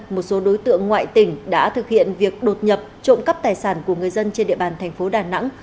một số đối tượng ngoại tỉnh đã thực hiện việc đột nhập trộm cắp tài sản của người dân trên địa bàn thành phố đà nẵng